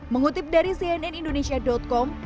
mengutip dari cnnindonesia com